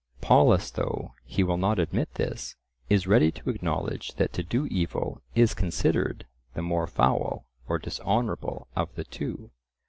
Polus, though he will not admit this, is ready to acknowledge that to do evil is considered the more foul or dishonourable of the two.